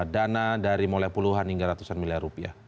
dana dari mulai puluhan hingga ratusan miliar rupiah